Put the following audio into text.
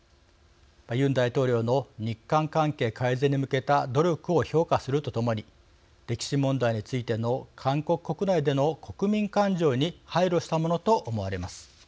ユン大統領の日韓関係改善に向けた努力を評価するとともに歴史問題についての韓国国内での国民感情に配慮したものと思われます。